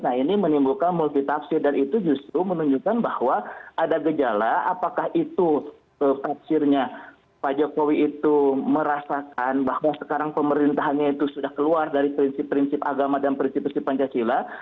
nah ini menimbulkan multitafsir dan itu justru menunjukkan bahwa ada gejala apakah itu tafsirnya pak jokowi itu merasakan bahwa sekarang pemerintahannya itu sudah keluar dari prinsip prinsip agama dan prinsip prinsip pancasila